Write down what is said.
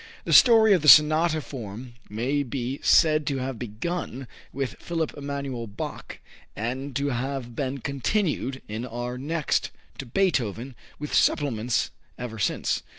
The story of the sonata form may be said to have begun with Philipp Emanuel Bach and to have been "continued in our next" to Beethoven, with "supplements" ever since.